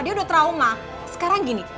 dia udah trauma sekarang gini